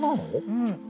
うん。